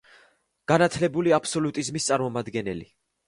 განათლებული აბსოლუტიზმის წარმომადგენელი.